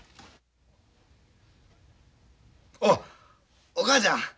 あっお母ちゃん？